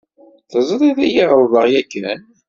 Teẓriḍ-iyi ɣelḍeɣ yakan?